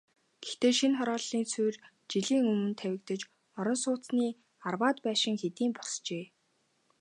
Гэхдээ шинэ хорооллын суурь жилийн өмнө тавигдаж, орон сууцны арваад байшин хэдийн босжээ.